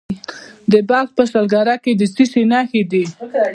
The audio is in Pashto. د بلخ په شولګره کې د څه شي نښې دي؟